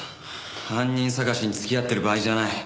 犯人捜しに付き合ってる場合じゃない。